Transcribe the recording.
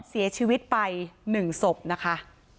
เสียชีวิตไป๑ศพนะคะ